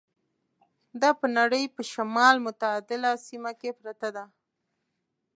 دا په نړۍ په شمال متعدله سیمه کې پرته ده.